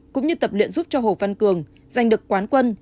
cũng như tập luyện giúp cho hồ văn cường giành được quán quân